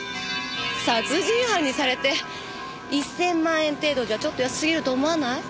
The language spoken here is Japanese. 殺人犯にされて１０００万円程度じゃちょっと安過ぎると思わない？